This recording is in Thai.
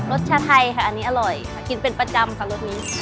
รสชาติไทยค่ะอันนี้อร่อยค่ะกินเป็นประจำค่ะรสนี้